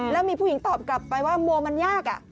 แล้วมีผู้หญิงตอบกลับไปว่าโมมันยาก